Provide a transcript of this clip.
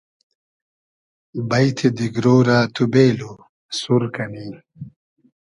بݷتی دیگرۉ رۂ تو بېلو ، سور کئنی